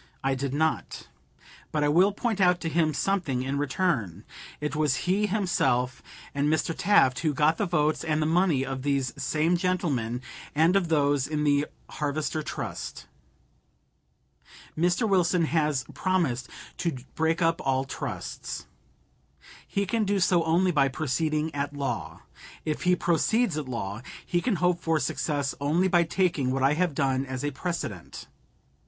I did not. But I will point out to him something in return. It was he himself, and Mr. Taft, who got the votes and the money of these same gentlemen, and of those in the Harvester Trust. Mr. Wilson has promised to break up all trusts. He can do so only by proceeding at law. If he proceeds at law, he can hope for success only by taking what I have done as a precedent.